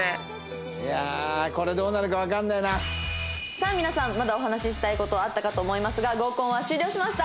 さあ皆さんまだお話ししたい事はあったかと思いますが合コンは終了しました。